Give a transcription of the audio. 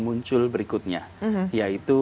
muncul berikutnya yaitu